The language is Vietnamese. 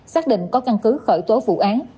xác định có căn cứ khởi tố vụ án